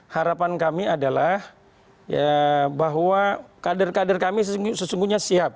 harapan kami adalah bahwa kader kader kami sesungguhnya siap